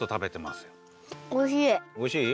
おいしい？